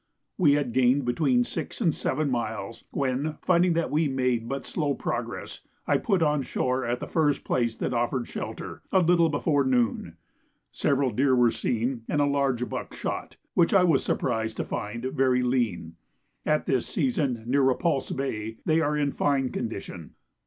We had gained between six and seven miles, when, finding that we made but slow progress, I put on shore at the first place that offered shelter, a little before noon. Several deer were seen, and a large buck shot, which I was surprised to find very lean. At this season, near Repulse Bay they are in fine condition.